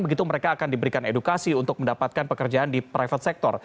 begitu mereka akan diberikan edukasi untuk mendapatkan pekerjaan di private sector